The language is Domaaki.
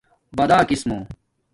باداکس مُو